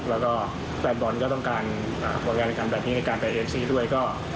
แล้วก็แปบบอลก็ต้องการอ่าโกรรี่กับนี้การไปเสทุยด้วยก็